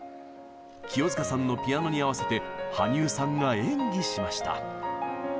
清塚さんのピアノに合わせて羽生さんが演技しました。